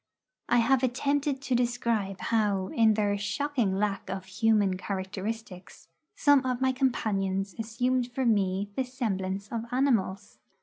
I have attempted to describe how, in their shocking lack of human characteristics, some of my companions assumed for me the semblance of animals.